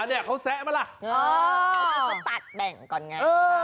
อันนี้เขาแซะมาล่ะตัดแบ่งก่อนไง